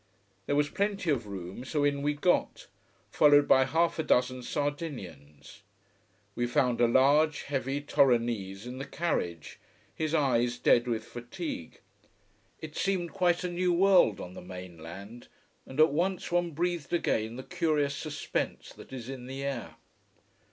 There was plenty of room so in we got, followed by half a dozen Sardinians. We found a large, heavy Torinese in the carriage, his eyes dead with fatigue. It seemed quite a new world on the mainland: and at once one breathed again the curious suspense that is in the air.